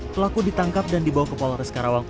pelaku ditangkap dan dibawa ke polres karawang